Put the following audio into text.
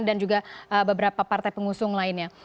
dan juga beberapa partai pengusung lainnya